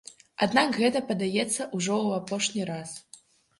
Аднак гэта, падаецца, ужо ў апошні раз.